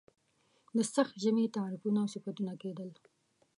د سخت ژمي تعریفونه او صفتونه کېدل.